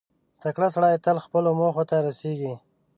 • تکړه سړی تل خپلو موخو ته رسېږي.